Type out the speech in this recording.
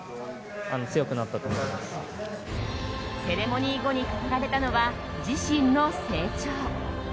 セレモニー後に語られたのは自身の成長。